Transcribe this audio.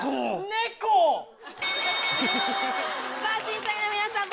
猫⁉さぁ審査員の皆さん